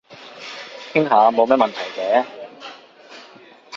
傾下冇咩問題嘅